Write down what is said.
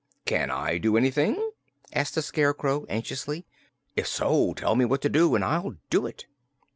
"Can I do anything?" asked the Scarecrow, anxiously. "If so, tell me what to do, and I'll do it."